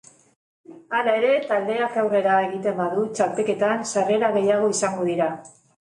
Hala ere, taldeak aurrera egiten badu txapelketan sarrera gehiago izango dira.